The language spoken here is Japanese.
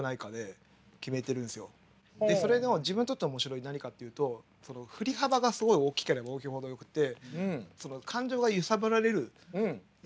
それの自分にとって面白い何かっていうとその振り幅がすごい大きければ大きいほどよくてへえ。